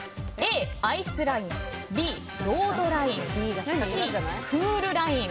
Ａ、アイスラインＢ、ロードラインＣ、クールライン。